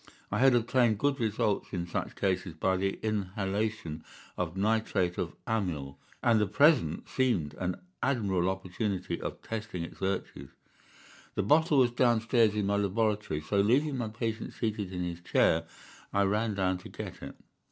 I had obtained good results in such cases by the inhalation of nitrite of amyl, and the present seemed an admirable opportunity of testing its virtues. The bottle was downstairs in my laboratory, so leaving my patient seated in his chair, I ran down to get it.